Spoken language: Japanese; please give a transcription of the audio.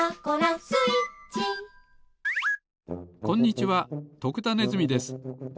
こんにちは徳田ネズミです。